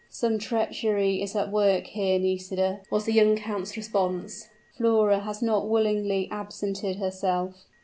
"Some treachery is at work here, Nisida," was the young count's response. "Flora has not willingly absented herself."